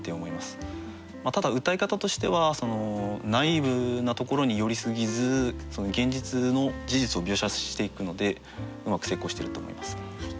ただうたい方としてはナイーブなところに寄りすぎずその現実の事実を描写していくのでうまく成功してると思います。